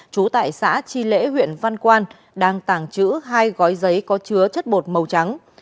trú tại xã chi lễ huyện văn quan đang tàng trữ hai gói giấy có chứa chất bột màu trắng